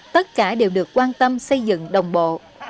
tất cả đều được quan tâm xây dựng đồng bộ